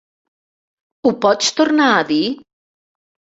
Ho pots tornar a dir?